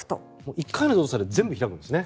１回の動作で全部開くんですね。